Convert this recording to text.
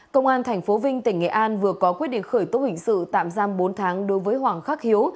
công an tp vinh tỉnh nghệ an vừa có quyết định khởi tố hình sự tạm giam bốn tháng đối với hoàng khắc hiếu